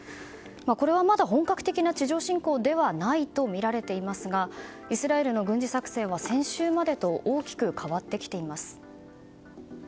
これはまだ本格的な地上侵攻ではないとみられていますがイスラエルの軍事作戦は先週までと大きく変わってきています。